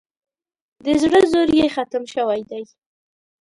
د زړه زور یې ختم شوی دی.